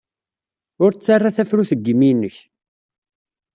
Ur ttarra tafrut deg yimi-nnek.